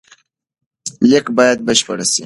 لیک باید بشپړ سي.